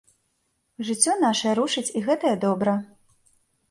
Жыццё нашае рушыць і гэтае добра.